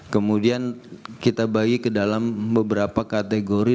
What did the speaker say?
kemudian kita bagi ke dalam beberapa kategori